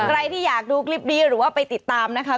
ใครที่อยากดูคลิปนี้หรือว่าไปติดตามนะคะ